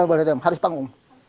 tidak boleh dipanggung harus panggung